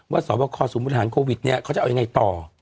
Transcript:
ว่าสอบประคอสมมุติฐานโควิดเนี่ยเขาจะเอายังไงต่อ